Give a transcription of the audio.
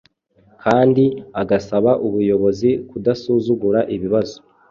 kandi agasaba ubuyobozi kudasuzugura ibibazo